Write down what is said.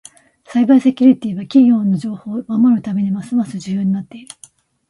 サイバーセキュリティは企業の情報を守るためにますます重要になっている。